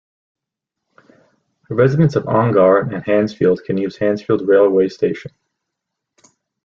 Residents of Ongar and Hansfield can use Hansfield railway station.